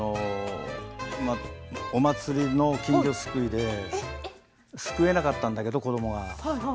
お祭りの金魚すくいですくえなかったんだけど子どもが。